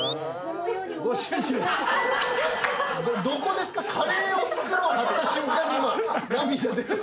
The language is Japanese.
どこですか？